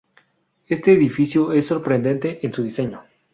Este edificio es sorprendente en su diseño.